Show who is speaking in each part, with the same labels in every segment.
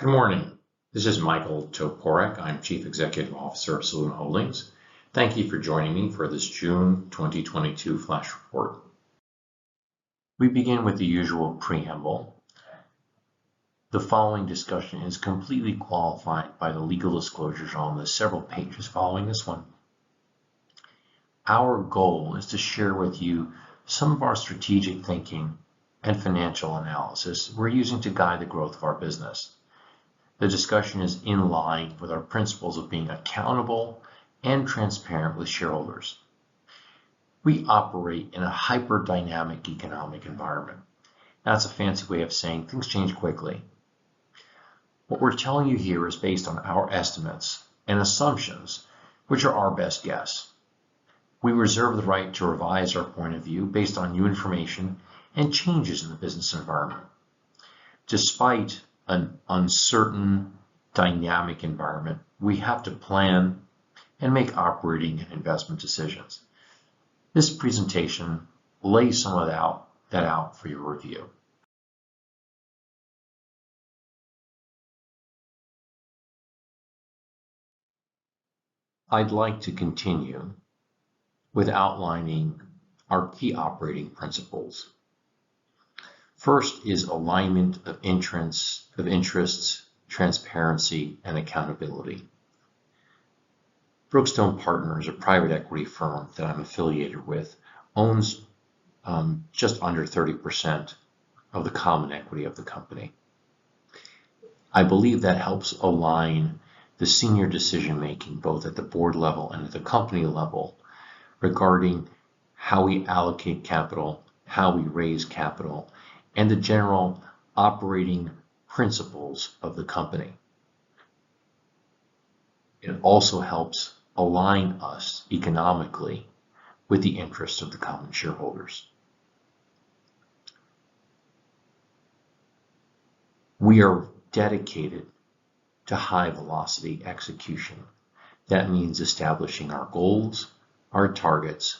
Speaker 1: Good morning. This is Michael Toporek. I'm Chief Executive Officer of Soluna Holdings. Thank you for joining me for this June 2022 flash report. We begin with the usual preamble. The following discussion is completely qualified by the legal disclosures on the several pages following this one. Our goal is to share with you some of our strategic thinking and financial analysis we're using to guide the growth of our business. The discussion is in line with our principles of being accountable and transparent with shareholders. We operate in a hyper-dynamic economic environment. That's a fancy way of saying things change quickly. What we're telling you here is based on our estimates and assumptions, which are our best guess. We reserve the right to revise our point of view based on new information and changes in the business environment. Despite an uncertain dynamic environment, we have to plan and make operating and investment decisions. This presentation lays some of that out for your review. I'd like to continue with outlining our key operating principles. First is alignment of interests, transparency, and accountability. Brookstone Partners, a private equity firm that I'm affiliated with, owns just under 30% of the common equity of the company. I believe that helps align the senior decision-making, both at the board level and at the company level, regarding how we allocate capital, how we raise capital, and the general operating principles of the company. It also helps align us economically with the interests of the common shareholders. We are dedicated to high-velocity execution. That means establishing our goals, our targets,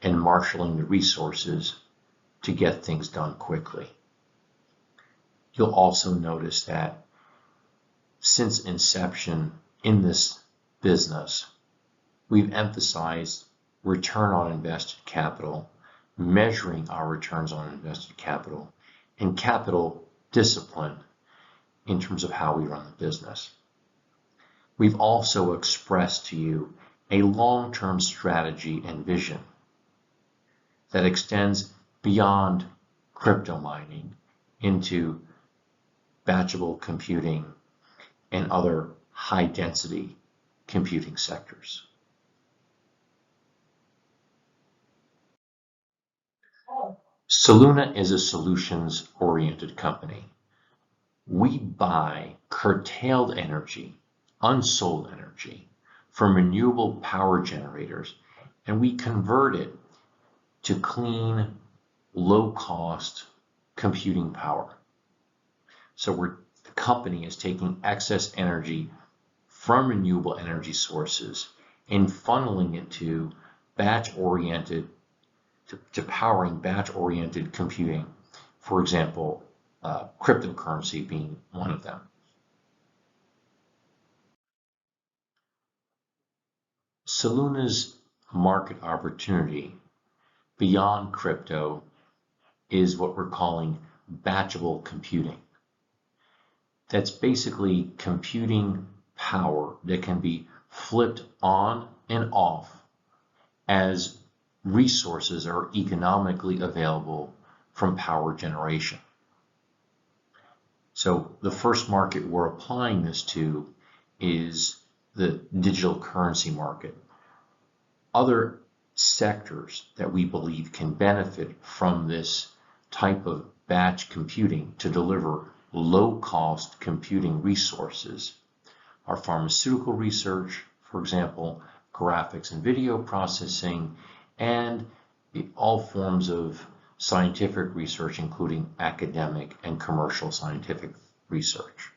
Speaker 1: and marshaling the resources to get things done quickly. You'll also notice that since inception in this business, we've emphasized return on invested capital, measuring our returns on invested capital, and capital discipline in terms of how we run the business. We've also expressed to you a long-term strategy and vision that extends beyond crypto mining into batchable computing and other high-density computing sectors. Soluna is a solutions-oriented company. We buy curtailed energy, unsold energy from renewable power generators, and we convert it to clean, low-cost computing power. The company is taking excess energy from renewable energy sources and funneling it to powering batch-oriented computing. For example, cryptocurrency being one of them. Soluna's market opportunity beyond crypto is what we're calling batchable computing. That's basically computing power that can be flipped on and off as resources are economically available from power generation. The first market we're applying this to is the digital currency market. Other sectors that we believe can benefit from this type of batch computing to deliver low-cost computing resources are pharmaceutical research, for example, graphics and video processing, and all forms of scientific research, including academic and commercial scientific research.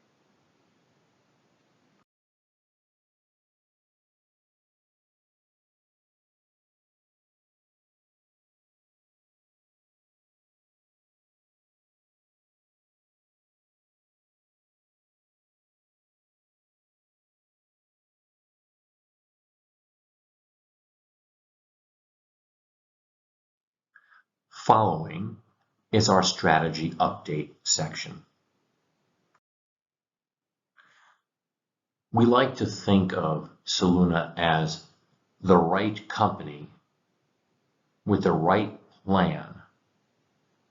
Speaker 1: Following is our strategy update section. We like to think of Soluna as the right company with the right plan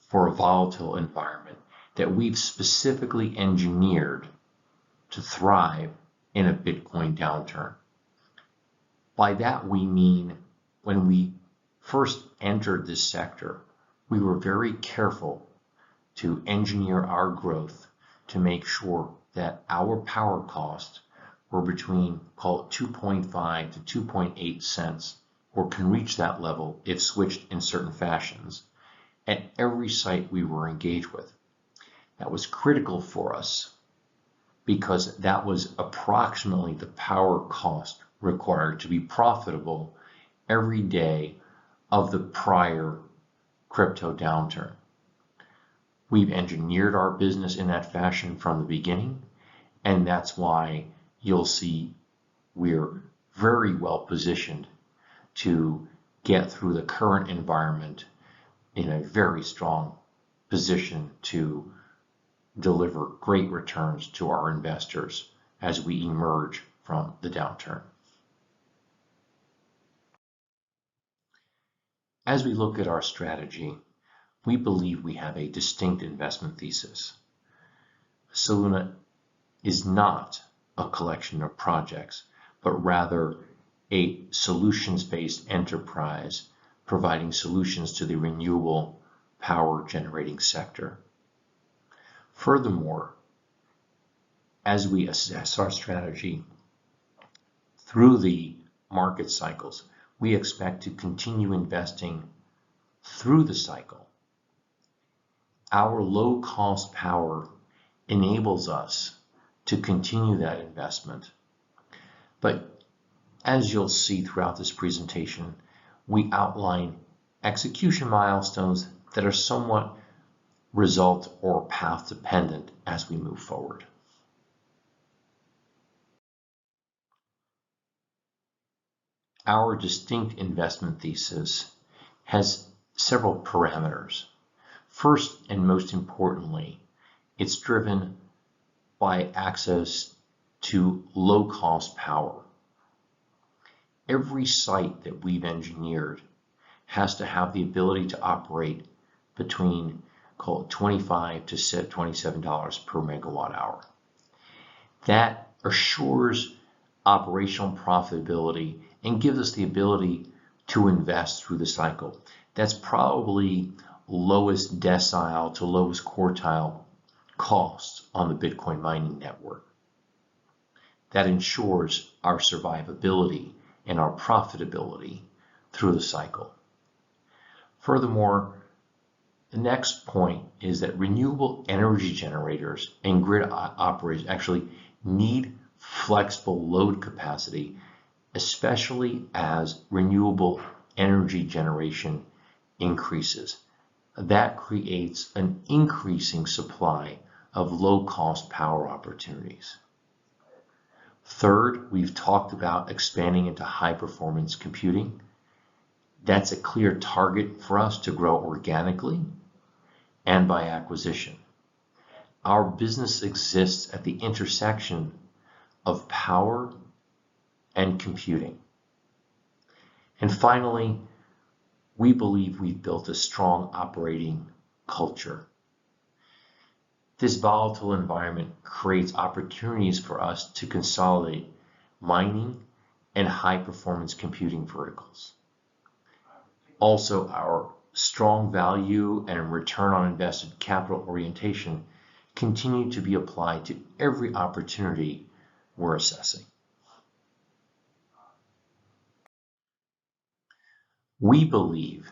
Speaker 1: for a volatile environment that we've specifically engineered to thrive in a Bitcoin downturn. By that, we mean when we first entered this sector, we were very careful to engineer our growth to make sure that our power costs were between, call it $0.025-$0.028, or can reach that level if switched in certain fashions at every site we were engaged with. That was critical for us because that was approximately the power cost required to be profitable every day of the prior crypto downturn. We've engineered our business in that fashion from the beginning, and that's why you'll see we're very well-positioned to get through the current environment in a very strong position to deliver great returns to our investors as we emerge from the downturn. As we look at our strategy, we believe we have a distinct investment thesis. Soluna is not a collection of projects, but rather a solutions-based enterprise providing solutions to the renewable power generating sector. Furthermore, as we assess our strategy through the market cycles, we expect to continue investing through the cycle. Our low-cost power enables us to continue that investment. As you'll see throughout this presentation, we outline execution milestones that are somewhat result or path dependent as we move forward. Our distinct investment thesis has several parameters. First, and most importantly, it's driven by access to low-cost power. Every site that we've engineered has to have the ability to operate between call it $25-$27 per MWh. That assures operational profitability and gives us the ability to invest through the cycle. That's probably lowest decile to lowest quartile cost on the Bitcoin mining network. That ensures our survivability and our profitability through the cycle. Furthermore, the next point is that renewable energy generators and grid operators actually need flexible load capacity, especially as renewable energy generation increases. That creates an increasing supply of low-cost power opportunities. Third, we've talked about expanding into high performance computing. That's a clear target for us to grow organically and by acquisition. Our business exists at the intersection of power and computing. Finally, we believe we've built a strong operating culture. This volatile environment creates opportunities for us to consolidate mining and high performance computing verticals. Also, our strong value and return on invested capital orientation continue to be applied to every opportunity we're assessing. We believe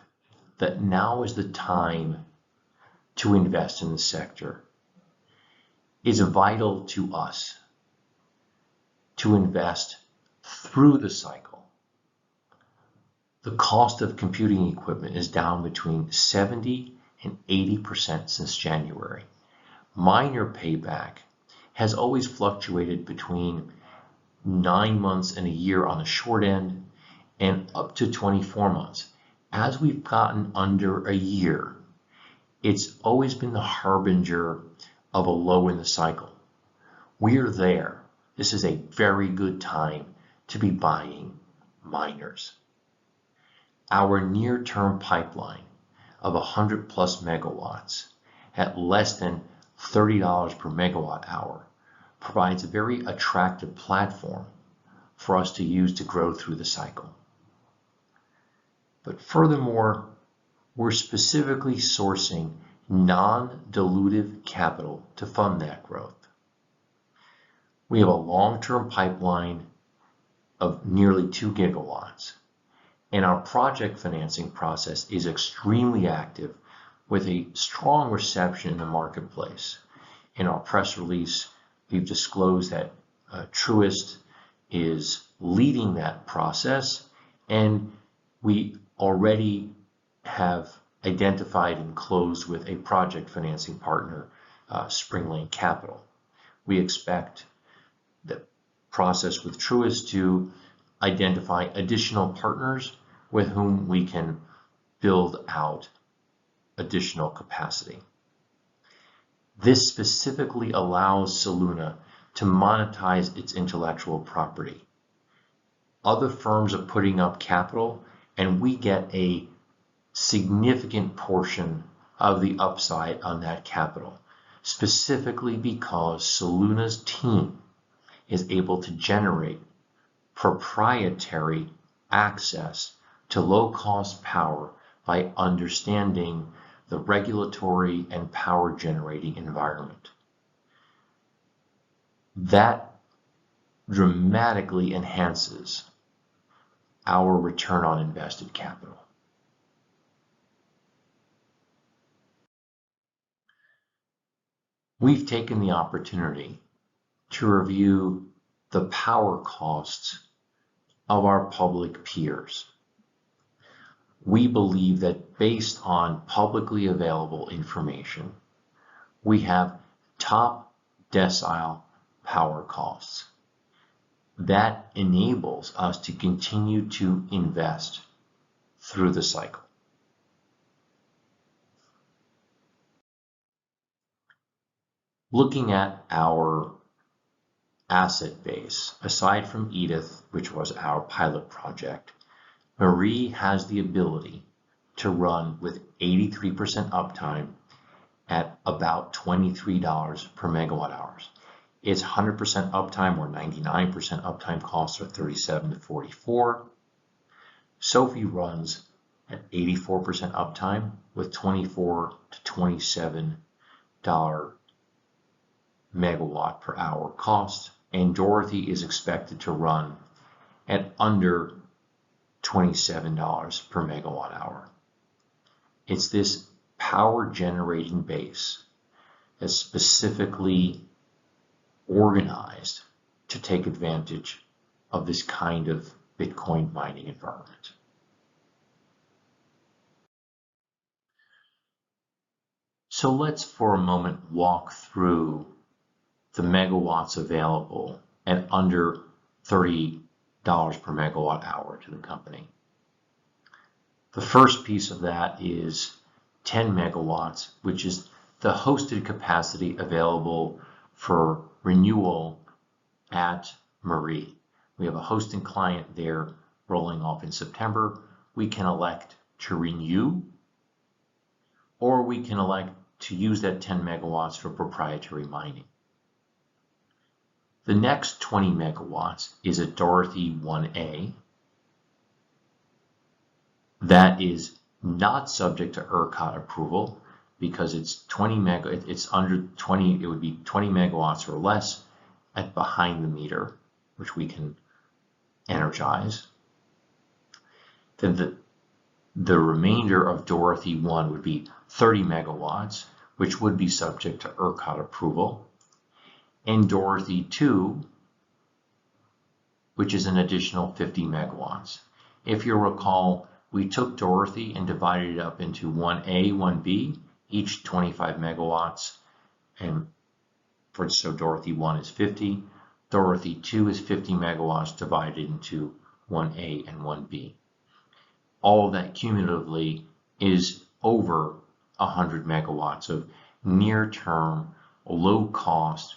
Speaker 1: that now is the time to invest in the sector. It is vital to us to invest through the cycle. The cost of computing equipment is down between 70% and 80% since January. Miner payback has always fluctuated between nine months and a year on the short end, and up to 24 months. As we've gotten under a year, it's always been the harbinger of a low in the cycle. We are there. This is a very good time to be buying miners. Our near-term pipeline of 100+ MW at less than $30 per MWh provides a very attractive platform for us to use to grow through the cycle. Furthermore, we're specifically sourcing non-dilutive capital to fund that growth. We have a long-term pipeline of nearly 2 GW, and our project financing process is extremely active with a strong reception in the marketplace. In our press release, we've disclosed that Truist is leading that process, and we already have identified and closed with a project financing partner, Spring Lane Capital. We expect the process with Truist to identify additional partners with whom we can build out additional capacity. This specifically allows Soluna to monetize its intellectual property. Other firms are putting up capital, and we get a significant portion of the upside on that capital, specifically because Soluna's team is able to generate proprietary access to low cost power by understanding the regulatory and power generating environment. That dramatically enhances our return on invested capital. We've taken the opportunity to review the power costs of our public peers. We believe that based on publicly available information, we have top decile power costs. That enables us to continue to invest through the cycle. Looking at our asset base, aside from Edith, which was our pilot project, Marie has the ability to run with 83% uptime at about $23 per MWh. Its 100% uptime or 99% uptime costs are $37-$44. Sophie runs at 84% uptime with $24-$27 per MWh cost. Dorothy is expected to run at under $27 per MWh. It's this power generating base that's specifically organized to take advantage of this kind of Bitcoin mining environment. Let's for a moment walk through the megawatts available at under $30 per MWh to the company. The first piece of that is 10 MW, which is the hosted capacity available for renewal at Marie. We have a hosting client there rolling off in September. We can elect to renew, or we can elect to use that 10 MW for proprietary mining. The next 20 MW is at Dorothy 1A. That is not subject to ERCOT approval because it's under 20 MW or less at behind-the-meter, which we can energize. The remainder of Dorothy 1 would be 30 MW, which would be subject to ERCOT approval. Dorothy 2, which is an additional 50 MW. If you recall, we took Dorothy and divided it up into 1A, 1B, each 25 MW. Dorothy 1 is 50 MW. Dorothy 2 is 50 MW divided into 1A and 1B. All of that cumulatively is over 100 MW of near-term, low-cost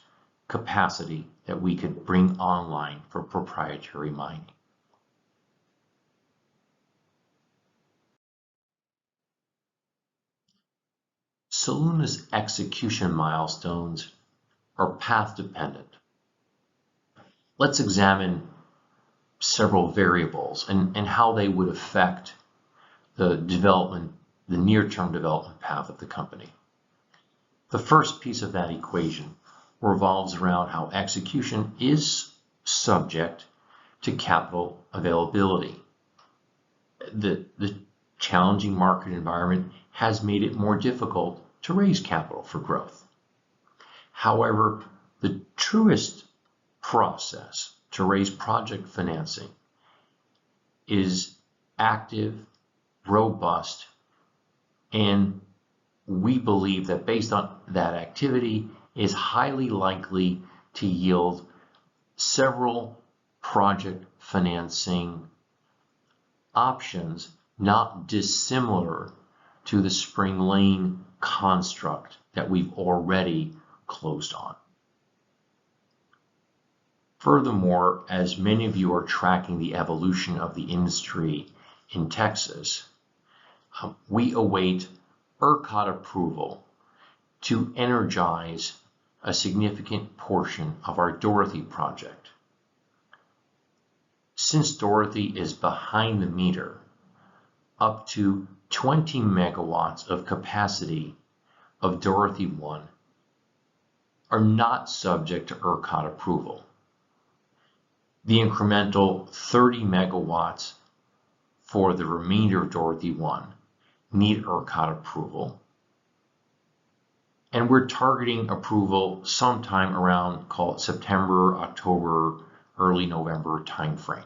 Speaker 1: capacity that we could bring online for proprietary mining. Soluna's execution milestones are path dependent. Let's examine several variables and how they would affect the development, the near-term development path of the company. The first piece of that equation revolves around how execution is subject to capital availability. The challenging market environment has made it more difficult to raise capital for growth. However, the Truist process to raise project financing is active, robust, and we believe that based on that activity, is highly likely to yield several project financing options not dissimilar to the Spring Lane construct that we've already closed on. Furthermore, as many of you are tracking the evolution of the industry in Texas, we await ERCOT approval to energize a significant portion of our Dorothy project. Since Dorothy is behind-the-meter, up to 20 MW of capacity of Dorothy 1 are not subject to ERCOT approval. The incremental 30 MW for the remainder of Dorothy 1 need ERCOT approval, and we're targeting approval sometime around, call it September, October, early November timeframe.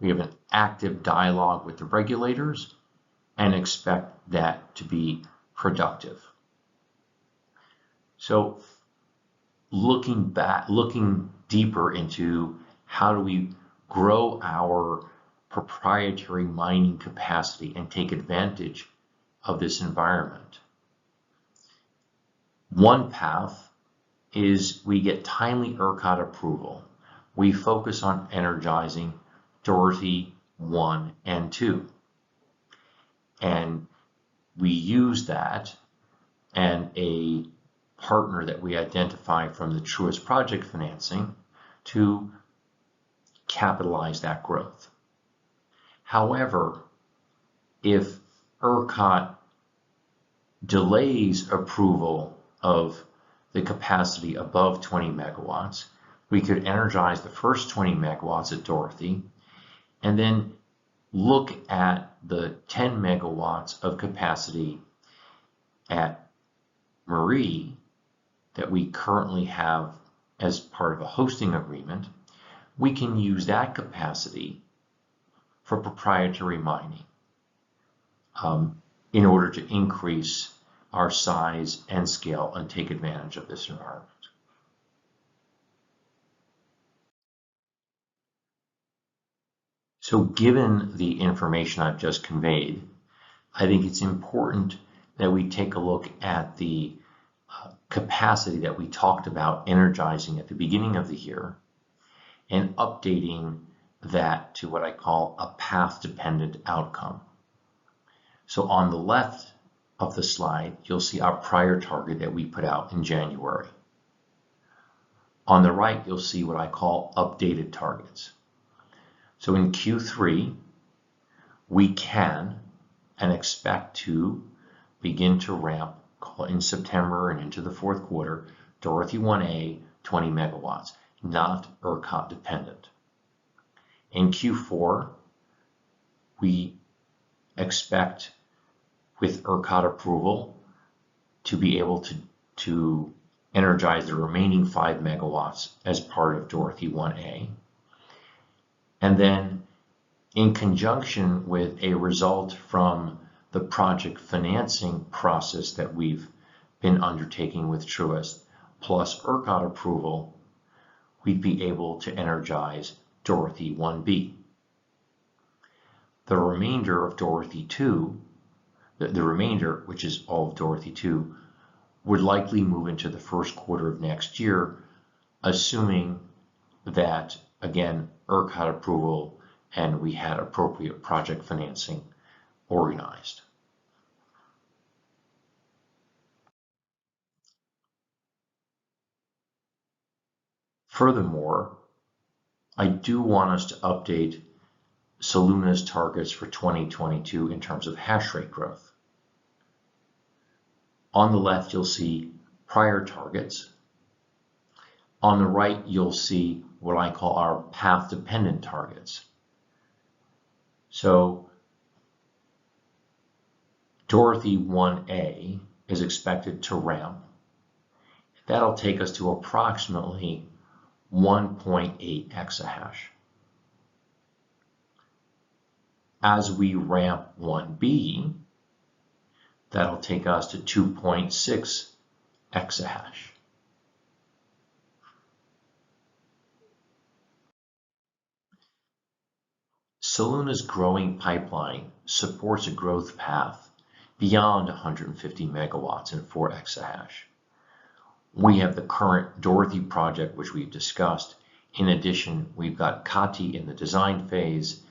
Speaker 1: We have an active dialogue with the regulators and expect that to be productive. Looking deeper into how do we grow our proprietary mining capacity and take advantage of this environment, one path is we get timely ERCOT approval. We focus on energizing Dorothy 1 and 2 and we use that and a partner that we identify from the Truist project financing to capitalize that growth. However, if ERCOT delays approval of the capacity above 20 MW, we could energize the first 20 MW at Dorothy and then look at the 10 MW of capacity at Marie that we currently have as part of a hosting agreement. We can use that capacity for proprietary mining, in order to increase our size and scale and take advantage of this environment. Given the information I've just conveyed, I think it's important that we take a look at the capacity that we talked about energizing at the beginning of the year and updating that to what I call a path-dependent outcome. On the left of the slide, you'll see our prior target that we put out in January. On the right, you'll see what I call updated targets. In Q3, we can and expect to begin to ramp in September and into the fourth quarter, Dorothy 1A, 20 MW, not ERCOT-dependent. In Q4, we expect with ERCOT approval to be able to energize the remaining 5 MW as part of Dorothy 1A. In conjunction with a result from the project financing process that we've been undertaking with Truist, plus ERCOT approval, we'd be able to energize Dorothy 1B. The remainder, which is all of Dorothy 2, would likely move into the first quarter of next year, assuming that, again, ERCOT approval and we had appropriate project financing organized. Furthermore, I do want us to update Soluna's targets for 2022 in terms of hash rate growth. On the left, you'll see prior targets. On the right, you'll see what I call our path-dependent targets. Dorothy 1A is expected to ramp. That'll take us to approximately 1.8 EH. As we ramp 1B, that'll take us to 2.6 EH. Soluna's growing pipeline supports a growth path beyond 150 MW and 4 EH. We have the current Dorothy project, which we've discussed. In addition, we've got Kati in the design phase,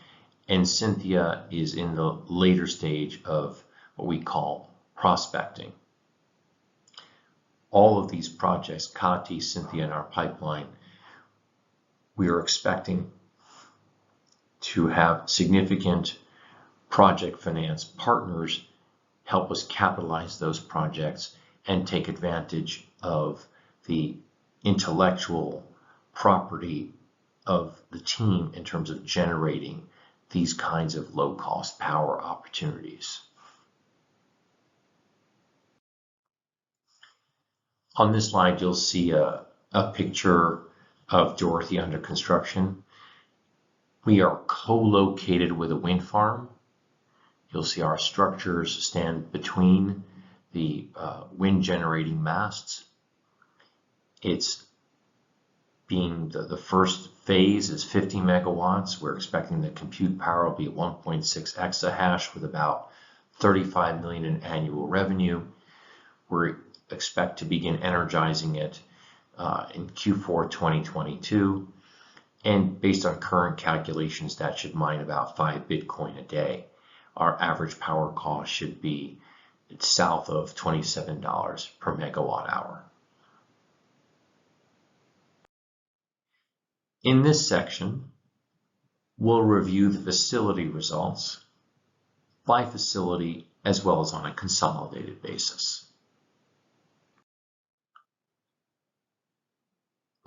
Speaker 1: and Cynthia is in the later stage of what we call prospecting. All of these projects, Kati, Cynthia in our pipeline, we are expecting to have significant project finance partners help us capitalize those projects and take advantage of the intellectual property of the team in terms of generating these kinds of low-cost power opportunities. On this slide, you'll see a picture of Dorothy under construction. We are co-located with a wind farm. You'll see our structures stand between the wind-generating masts. The first phase is 50 MW. We're expecting the compute power will be 1.6 EH with about $35 million in annual revenue. We expect to begin energizing it in Q4 2022, and based on current calculations, that should mine about 5 Bitcoin a day. Our average power cost should be south of $27 per MWh. In this section, we'll review the facility results by facility as well as on a consolidated basis.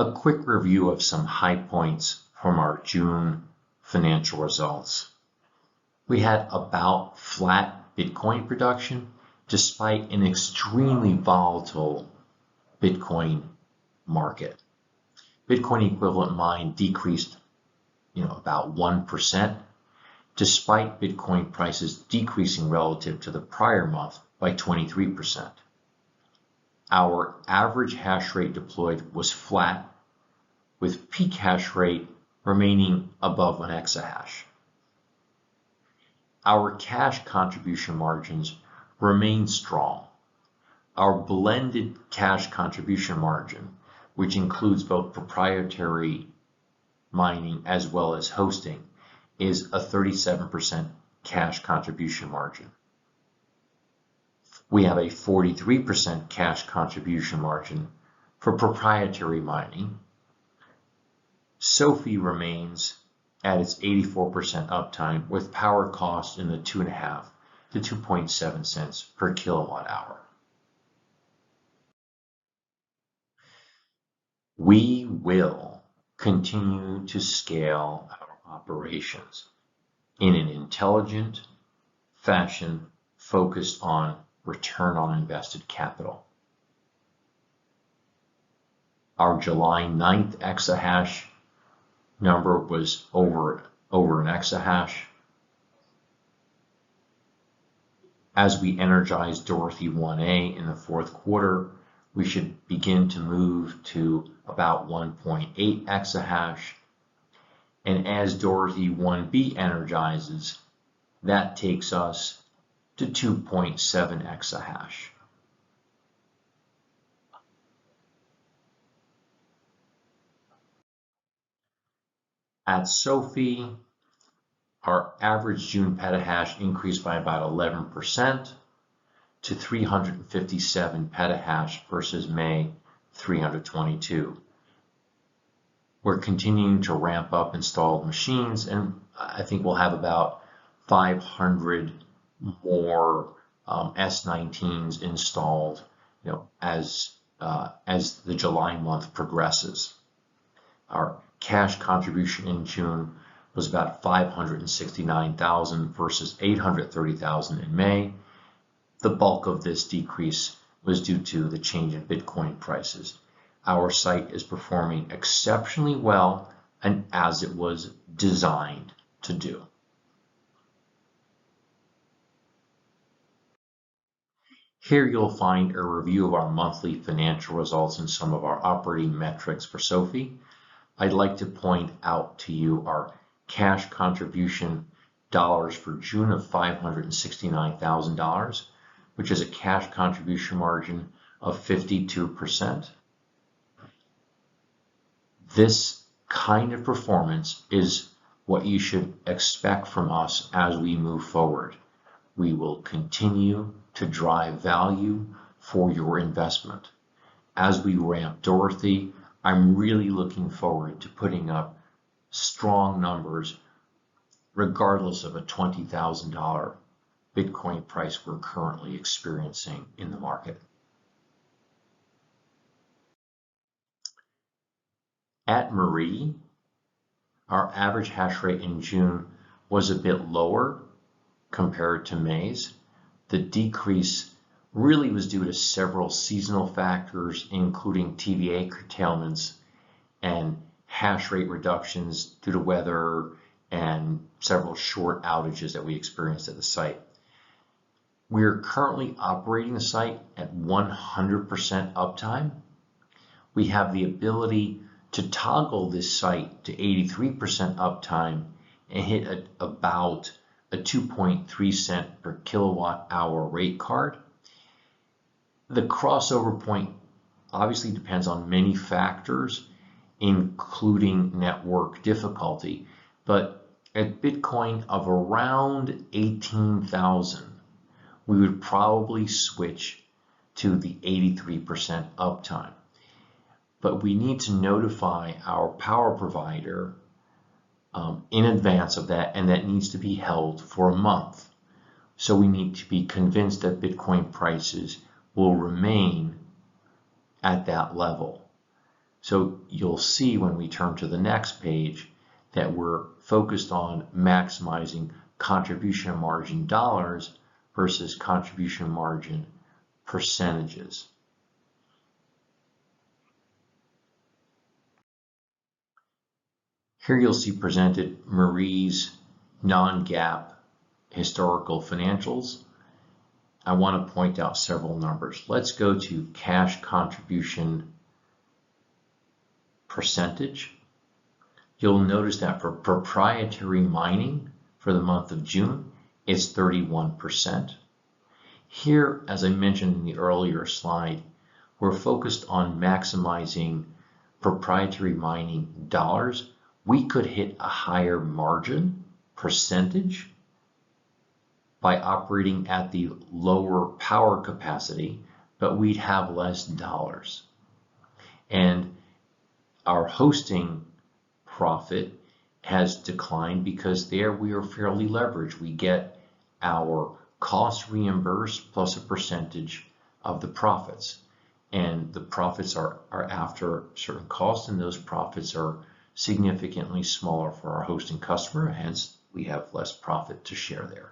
Speaker 1: A quick review of some high points from our June financial results. We had about flat Bitcoin production despite an extremely volatile Bitcoin market. Bitcoin equivalent mined decreased, you know, about 1% despite Bitcoin prices decreasing relative to the prior month by 23%. Our average hash rate deployed was flat, with peak hash rate remaining above an exahash. Our cash contribution margins remain strong. Our blended cash contribution margin, which includes both proprietary mining as well as hosting, is a 37% cash contribution margin. We have a 43% cash contribution margin for proprietary mining. Sophie remains at its 84% uptime with power cost in the $0.025-$0.027/kWh. We will continue to scale our operations in an intelligent fashion focused on return on invested capital. Our July 9th exahash number was over an exahash. As we energize Dorothy 1A in the fourth quarter, we should begin to move to about 1.8 EH. As Dorothy 1B energizes, that takes us to 2.7 EH. At Sophie, our average June petahash increased by about 11% to 357 PH versus May, 322 PH. We're continuing to ramp up installed machines, and I think we'll have about 500 more S19s installed, you know, as the July month progresses. Our cash contribution in June was about $569,000 versus $830,000 in May. The bulk of this decrease was due to the change in Bitcoin prices. Our site is performing exceptionally well and as it was designed to do. Here you'll find a review of our monthly financial results and some of our operating metrics for Sophie. I'd like to point out to you our cash contribution dollars for June of $569,000, which is a cash contribution margin of 52%. This kind of performance is what you should expect from us as we move forward. We will continue to drive value for your investment. As we ramp Dorothy, I'm really looking forward to putting up strong numbers regardless of a $20,000 Bitcoin price we're currently experiencing in the market. At Project Marie, our average hash rate in June was a bit lower compared to May's. The decrease really was due to several seasonal factors, including TVA curtailments and hash rate reductions due to weather and several short outages that we experienced at the site. We are currently operating the site at 100% uptime. We have the ability to toggle this site to 83% uptime and hit about a $0.023 per kWh rate card. The crossover point obviously depends on many factors, including network difficulty. At Bitcoin of around $18,000, we would probably switch to the 83% uptime. We need to notify our power provider in advance of that, and that needs to be held for a month. We need to be convinced that Bitcoin prices will remain at that level. You'll see when we turn to the next page that we're focused on maximizing contribution margin dollars versus contribution margin percentages. Here you'll see presented Project Marie's non-GAAP historical financials. I wanna point out several numbers. Let's go to cash contribution percentage. You'll notice that for proprietary mining for the month of June, it's 31%. Here, as I mentioned in the earlier slide, we're focused on maximizing proprietary mining dollars. We could hit a higher margin percentage by operating at the lower power capacity, but we'd have less dollars. Our hosting profit has declined because there we are fairly leveraged. We get our costs reimbursed plus a percentage of the profits, and the profits are after certain costs, and those profits are significantly smaller for our hosting customer, hence, we have less profit to share there.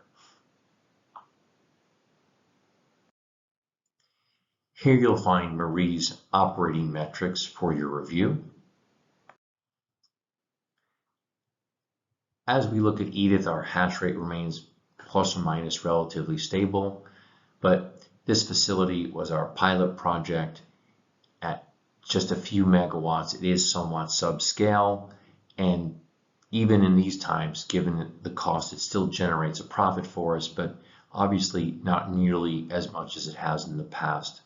Speaker 1: Here you'll find Project Marie's operating metrics for your review. As we look at Edith, our hash rate remains ± relatively stable, but this facility was our pilot project at just a few megawatts. It is somewhat subscale, and even in these times, given the cost, it still generates a profit for us, but obviously not nearly as much as it has in the past.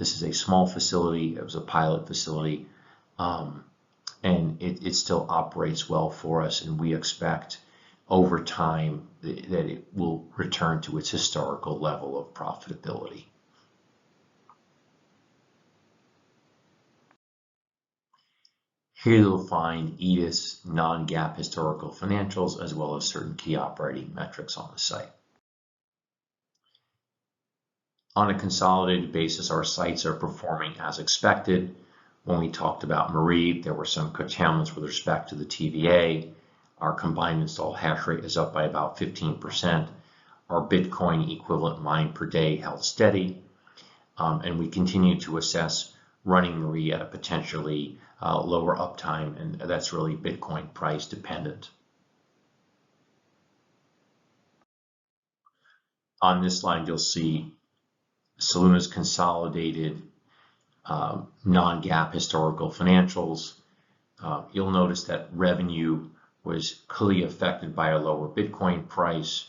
Speaker 1: This is a small facility. It was a pilot facility, and it still operates well for us, and we expect over time that it will return to its historical level of profitability. Here you'll find Edith's non-GAAP historical financials as well as certain key operating metrics on the site. On a consolidated basis, our sites are performing as expected. When we talked about Marie, there were some challenges with respect to the TVA. Our combined installed hash rate is up by about 15%. Our Bitcoin equivalent mine per day held steady, and we continue to assess running Marie at a potentially lower uptime, and that's really Bitcoin price dependent. On this slide, you'll see Soluna's consolidated non-GAAP historical financials. You'll notice that revenue was clearly affected by a lower Bitcoin price.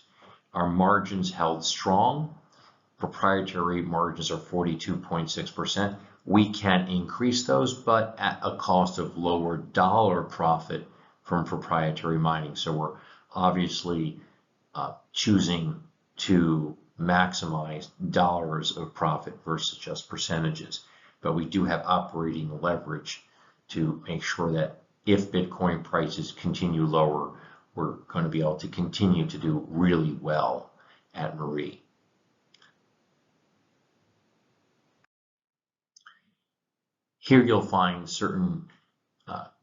Speaker 1: Our margins held strong. Proprietary margins are 42.6%. We can increase those, but at a cost of lower dollar profit from proprietary mining. We're obviously choosing to maximize dollars of profit versus just percentages. We do have operating leverage to make sure that if Bitcoin prices continue lower, we're gonna be able to continue to do really well at Marie. Here you'll find certain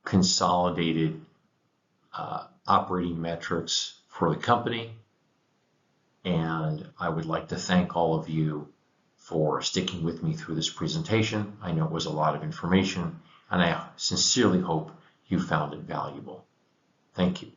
Speaker 1: consolidated operating metrics for the company, and I would like to thank all of you for sticking with me through this presentation. I know it was a lot of information, and I sincerely hope you found it valuable. Thank you.